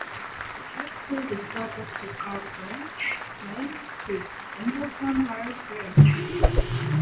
Just to the south of the car bridge lies the Dumbarton Rail Bridge.